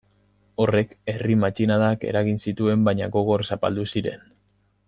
Horrek herri matxinadak eragin zituen baina gogor zapaldu ziren.